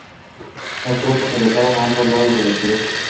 Las tropas atacaron a ambos lados de la ciudad.